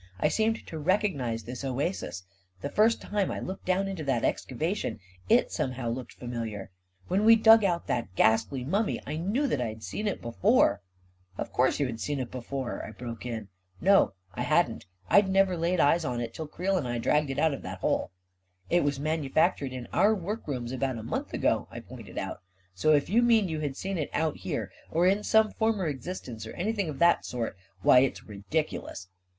I seemed to recognize this oasis; the first time I looked down into that excava tion, it somehow looked familiar ; when we dug out that ghastly mummy, I knew that I had seen it before ..."" Of course you had seen it before I " I broke in. " No, I hadn't. I'd never laid eyes on it till Creel and I dragged it out of that hole." " It was manufactured in our workrooms about a month ago," I pointed out, " so if you mean you had seen it out here, or in some former existence, or any thing of that sort — why, it's ridiculous